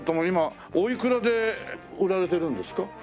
今おいくらで売られてるんですか？